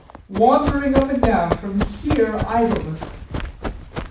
Wandering up and down from sheer idleness.